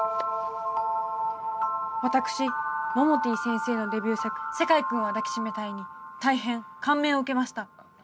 私モモティ先生のデビュー作「世界くんは抱きしめたい」に大変感銘を受けました。